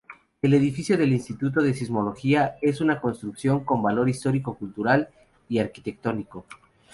El edificio del Instituto de Sismología es una construcción con valor histórico-cultural y arquitectónico.